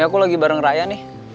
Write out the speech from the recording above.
aku lagi bareng raya nih